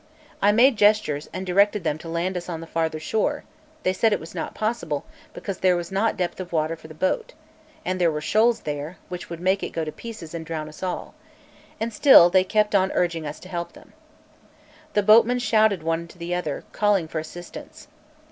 I made gestures and directed them to land us on the farther shore; they said it was not possible, because there was not depth of water for the boat, and there were shoals there, which would make it go to pieces and drown us all; and still they kept on urging us to help them. The boatmen shouted one to the other, calling for assistance.